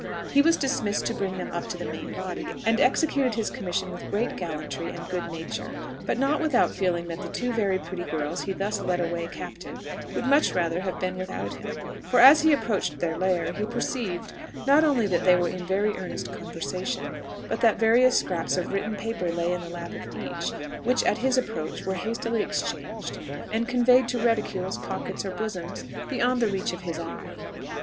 He was dismissed to bring them up to the main body, and executed his commission with great gallantry and good nature, but not without feeling that the two very pretty girls he thus led away captive would much rather have been without him; for as he approached their lair, he perceived, not only that they were in very earnest conversation, but that various scraps of written paper lay in the lap of each, which at his approach were hastily exchanged, and conveyed to reticules, pockets, or bosoms, beyond the reach of his eye.